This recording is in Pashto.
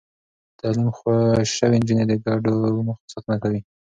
تعليم شوې نجونې د ګډو موخو ساتنه کوي.